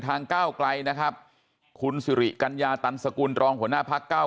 ก้าวไกลนะครับคุณสิริกัญญาตันสกุลรองหัวหน้าพักเก้า